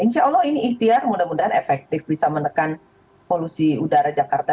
insya allah ini ikhtiar mudah mudahan efektif bisa menekan polusi udara jakarta